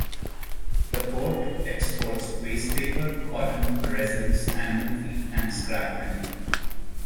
The Port exports wastepaper, cotton, resins, animal feed, and scrap metal.